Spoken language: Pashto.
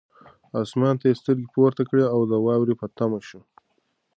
اسمان ته یې سترګې پورته کړې او د واورې په تمه شو.